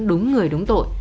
đúng người đúng tội